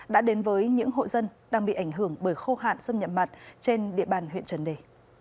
đã đến với những hộ dân đang bị ảnh hưởng bởi khô hạn xâm nhập mặn trên địa bàn huyện trần đề